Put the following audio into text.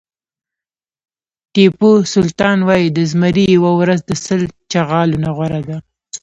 ټيپو سلطان وایي د زمري یوه ورځ د سل چغالو نه غوره ده.